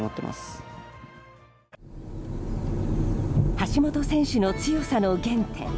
橋本選手の強さの原点。